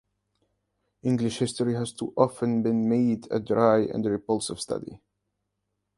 English history has too often been made a dry and repulsive study.